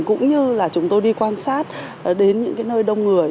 cũng như là chúng tôi đi quan sát đến những nơi đông người